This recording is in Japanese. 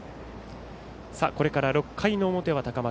これから６回の表は高松